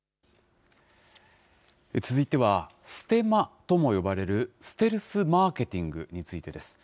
続いては、ステマとも呼ばれるステルスマーケティングについてです。